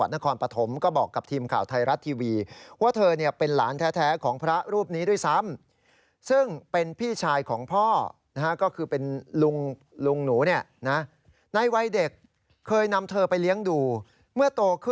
ในวัยเด็กเคยนำเธอไปเลี้ยงดู